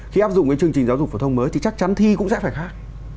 khi áp dụng cái chương trình giáo dục phổ thông mới thì chắc chắn thi cũng sẽ phải khác